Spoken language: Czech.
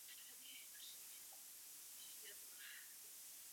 Ráda bych posunula ty, kdo jsou ve spodní kategorii, nahoru.